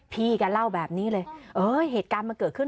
พี่แกเล่าแบบนี้เลยเอ้ยเหตุการณ์มันเกิดขึ้น